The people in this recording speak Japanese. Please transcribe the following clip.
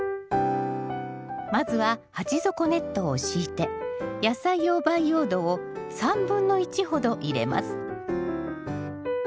まずは鉢底ネットを敷いて野菜用培養土を３分の１ほど入れます。